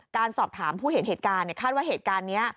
การสอบถามผู้เห็นเหตุการณ์คาดว่าเหตุการณ์นี้